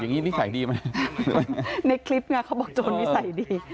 อย่างนี้นิสัยดีไหมในคลิปไงเขาบอกโจรนิสัยดี